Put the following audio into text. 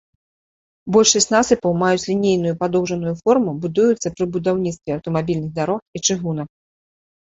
Большасць насыпаў маюць лінейную падоўжаную форму, будуюцца пры будаўніцтве аўтамабільных дарог і чыгунак.